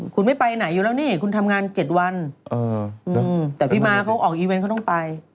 เหมือนแล้วนี่คุณทำงาน๗วันแต่พี่ม่าเขาออกอีเวนต์เขาต้องไป